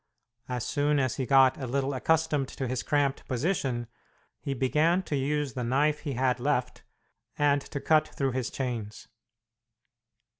As soon as he got a little accustomed to his cramped position, he began to use the knife he had left, and to cut through his chains.